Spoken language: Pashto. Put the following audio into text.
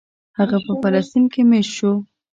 هغه په فلسطین کې مېشت شو.